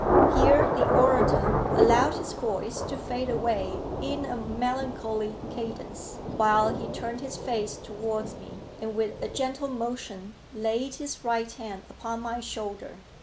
Here the orator allowed his voice to fade away in a melancholy cadence, while he turned his face towards me, and with a gentle motion laid his right hand upon my shoulder.